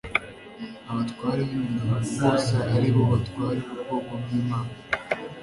abatware b imiryango bose ari bo batware bubwoko bw 'imana